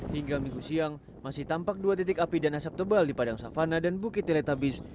hingga minggu siang masih tampak dua titik api dan asap tebal di padang savana dan bukit teletabis